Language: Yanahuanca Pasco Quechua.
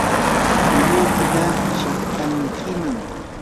llulluykita saqtankiman.